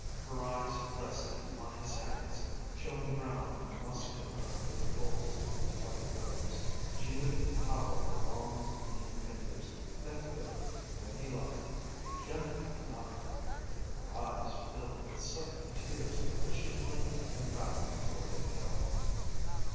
Her eyes rested on his hands, showing brown and muscular under the folds of his white robes. She knew the power of the long, lean fingers that could, when he liked, be gentle enough. Her eyes filled with sudden tears, but she blinked them back before they fell.